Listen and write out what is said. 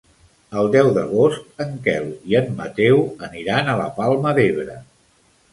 El deu d'agost en Quel i en Mateu aniran a la Palma d'Ebre.